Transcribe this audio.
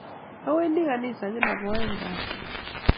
Awendi kanisa kila koaeng kasi.